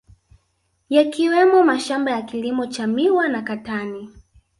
Yakiwemo mashamaba ya kilimo cha miwa na katani